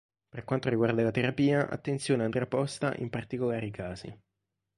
Per quanto riguarda la terapia, attenzione andrà posta in particolari casi.